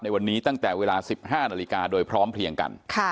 วันนี้ตั้งแต่เวลา๑๕นาฬิกาโดยพร้อมเพียงกัน